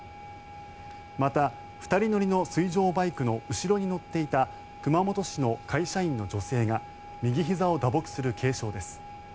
また２人乗りの水上バイクの後ろに乗っていた熊本市の会社員の女性が右ひざを打撲する軽傷です。